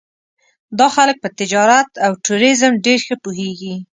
دا خلک په تجارت او ټوریزم ډېر ښه پوهېږي.